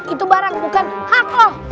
itu barang bukan hakku